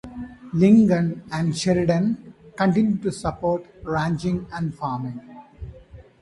Lincoln and Sheridan continue to support ranching and farming.